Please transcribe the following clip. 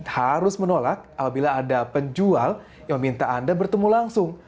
harus menolak apabila ada penjual yang meminta anda bertemu langsung